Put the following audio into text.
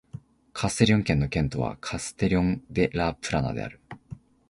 カステリョン県の県都はカステリョン・デ・ラ・プラナである